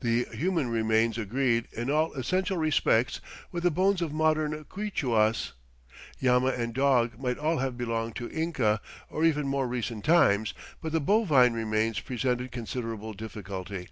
The human remains agreed "in all essential respects" with the bones of modern Quichuas. Llama and dog might all have belonged to Inca, or even more recent times, but the bovine remains presented considerable difficulty.